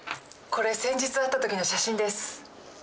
これ先日会った時の写真です。